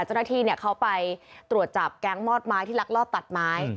เจ้าหน้าที่เขาไปตรวจจับแก๊งมอดไม้ที่ลักลอบตัดไม้